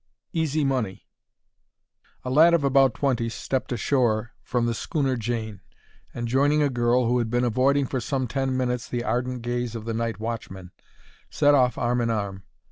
EASY MONEY A lad of about twenty stepped ashore from the schooner Jane, and joining a girl, who had been avoiding for some ten minutes the ardent gaze of the night watchman, set off arm in arm.